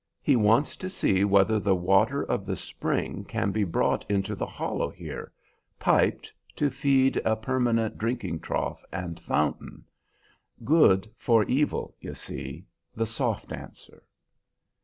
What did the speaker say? He wants to see whether the water, of the spring can be brought into the hollow here piped, to feed a permanent drinking trough and fountain. Good for evil, you see the soft answer."